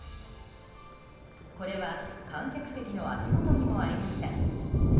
これは観客席の足元にもありました。